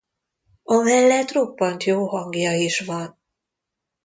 Amellett roppant jó hangja is van.